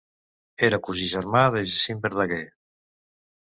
Era cosí germà de Jacint Verdaguer.